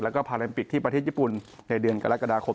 แล้วก็พาแลมปิกที่ประเทศญี่ปุ่นในเดือนกรกฎาคม